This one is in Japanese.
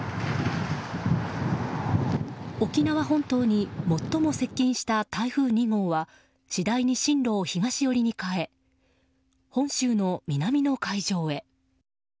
沖縄本島に最も接近した台風２号は次第に進路を東寄りに変え本州の南の海上へ。